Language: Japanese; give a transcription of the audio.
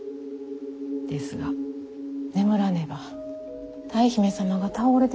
ですが眠らねば泰姫様が倒れて。